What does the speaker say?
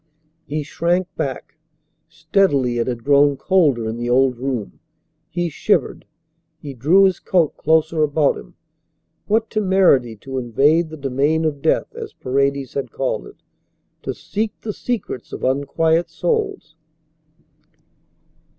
He shrank back. Steadily it had grown colder in the old room. He shivered. He drew his coat closer about him. What temerity to invade the domain of death, as Paredes had called it, to seek the secrets of unquiet souls!